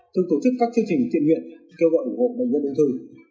từng tổ chức các chương trình thiện nguyện kêu gọi ủng hộ bệnh nhân đơn thư